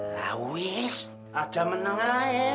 lawis ada menang ya